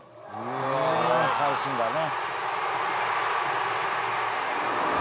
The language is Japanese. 「これは会心だね」